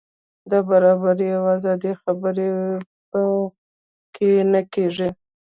د برابرۍ او ازادۍ خبرې په کې نه کېږي.